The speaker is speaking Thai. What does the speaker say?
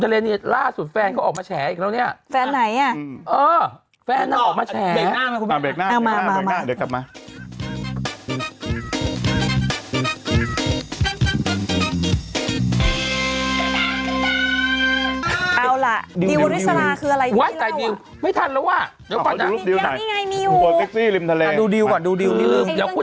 ของกลุ่มอยู่มันช่าตลอดแหละพี่มันช่าบางอย่างงาน